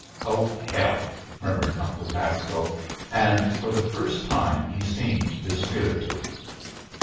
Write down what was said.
"Oh, hell!" murmured Uncle Pasco. And for the first time he seemed dispirited.